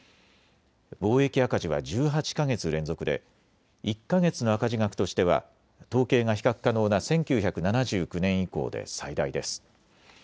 貿易赤字は１８か月連続で１か月の赤字額としては統計が比較可能な１９７９年以降で最大です。